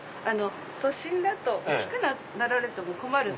都心だと大きくなられても困る。